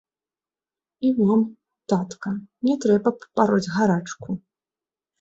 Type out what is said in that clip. І вам, татка, не трэба б пароць гарачку.